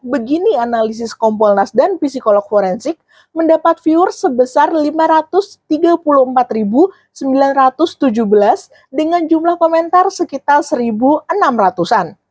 begini analisis kompolnas dan psikolog forensik mendapat viewer sebesar lima ratus tiga puluh empat sembilan ratus tujuh belas dengan jumlah komentar sekitar satu enam ratus an